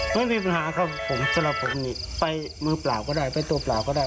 ไม่มีปัญหาครับผมสำหรับผมนี่ไปมือเปล่าก็ได้ไปตัวเปล่าก็ได้